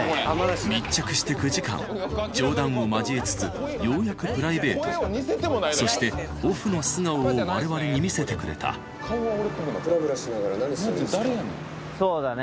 密着して９時間冗談を交えつつようやくそしてオフの素顔を我々に見せてくれたそうだね